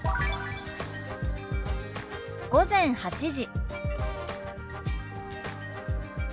「午前８時」。